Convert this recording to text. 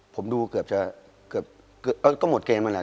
ผมดูเกือบจะก็หมดเกมมันแหละ